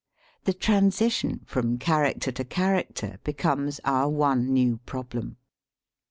The transition from character to character becomes our one new problem.